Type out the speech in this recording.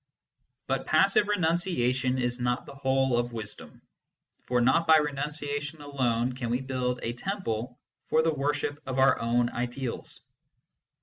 But passive renunciation is not the whole of wisdom ; for not by renunciation alone can we build a temple for the worship of our own ideals.